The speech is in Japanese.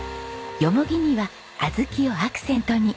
ヨモギには小豆をアクセントに。